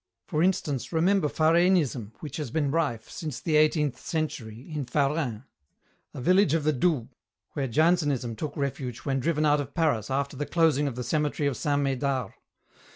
For instance, remember Fareinism, which has been rife, since the eighteenth century, in Fareins, a village of the Doubs, where Jansenism took refuge when driven out of Paris after the closing of the cemetery of Saint Médard.